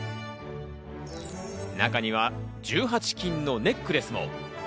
中には１８金のネックレスも。